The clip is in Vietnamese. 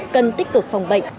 cần tích cực phòng bệnh